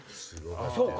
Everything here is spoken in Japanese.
そうか！